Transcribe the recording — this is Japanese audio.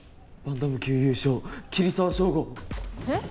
「バンタム級優勝桐沢祥吾」えっ？